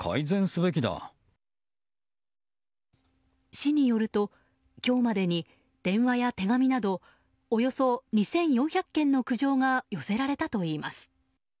市によると今日までに電話や手紙などおよそ２４００件の苦情が寄せられたといいます。